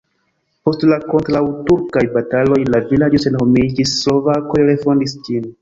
Post la kontraŭturkaj bataloj la vilaĝo senhomiĝis, slovakoj refondis ĝin.